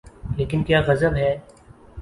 لیکن کیا غضب ہے۔